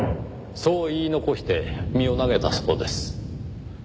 そう言い残して身を投げたそうです。